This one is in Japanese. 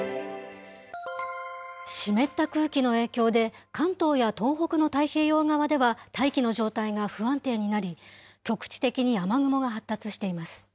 湿った空気の影響で、関東や東北の太平洋側では大気の状態が不安定になり、局地的に雨雲が発達しています。